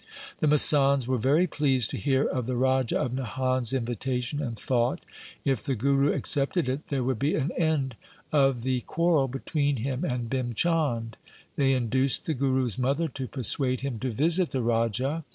The masands were very pleased to hear of the Raja of Nahan's invitation and thought, if the Guru accepted it, there would be an end of the quarrel between him and Bhim Chand. They induced the Guru's mother to persuade him to visit the Raja.